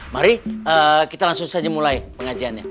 mari kita langsung saja mulai pengajiannya